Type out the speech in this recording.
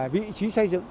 vị trí xây dựng